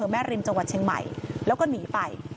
ริมจังหวัดเชียงใหม่แล้วก็หนีไป